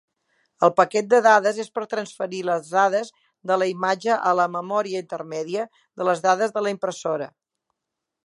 El paquet de dades és per transferir les dades de la imatge a la memòria intermèdia de les dades de la impressora.